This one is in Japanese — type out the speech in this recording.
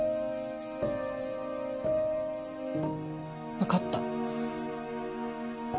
分かった。